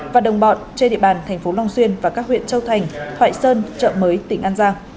và đồng bọn trên địa bàn thành phố long xuyên và các huyện châu thành thoại sơn chợ mới tỉnh an giang